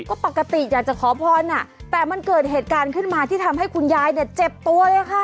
ก็ปกติอยากจะขอพรแต่มันเกิดเหตุการณ์ขึ้นมาที่ทำให้คุณยายเนี่ยเจ็บตัวเลยค่ะ